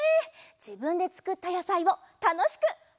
じぶんでつくったやさいをたのしく「ホ・レッ！」